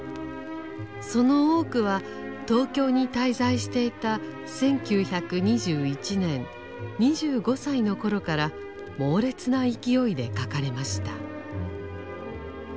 その多くは東京に滞在していた１９２１年２５歳の頃から猛烈な勢いで書かれました。